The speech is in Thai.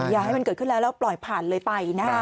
อย่าให้มันเกิดขึ้นแล้วแล้วปล่อยผ่านเลยไปนะฮะ